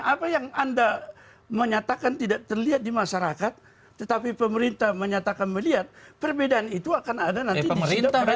apa yang anda menyatakan tidak terlihat di masyarakat tetapi pemerintah menyatakan melihat perbedaan itu akan ada nanti di situ